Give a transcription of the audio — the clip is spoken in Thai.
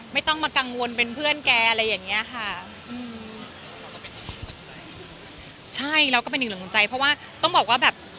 ไม่ต้องมากังวลเป็นเพื่อนแกอะไรอย่างเงี้ยค่ะใช่แล้วก็เป็นอีกหนึ่งของใจเพราะว่าต้องบอกว่าแบบ